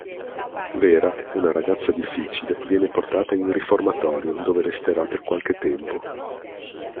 Vera, una ragazza difficile, viene portata in riformatorio, dove resterà per qualche tempo.